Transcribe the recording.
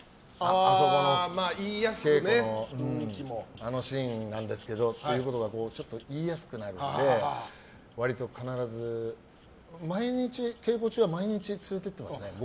あそこの稽古のあのシーンなんですけどってちょっと言いやすくなるので割と必ず稽古中は毎日連れて行ってますね。